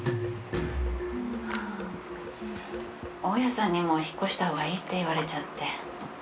大家さんにも引っ越した方がいいって言われちゃって。